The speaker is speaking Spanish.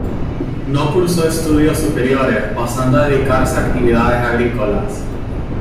No cursó estudios superiores, pasando a dedicarse a actividades agrícolas.